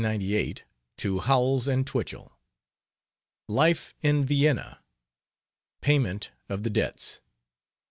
LETTERS, 1898, TO HOWELLS AND TWICHELL. LIFE IN VIENNA. PAYMENT OF THE DEBTS.